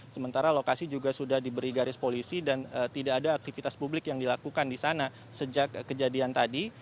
sementara lokasi juga sudah diberi garis polisi dan tidak ada aktivitas publik yang dilakukan di sana sejak kejadian tadi